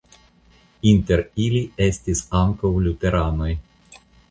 Inter ili estis ankaŭ luteranoj.